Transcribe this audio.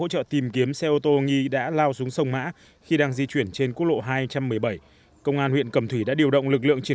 thời gian bị nạn khoảng ba h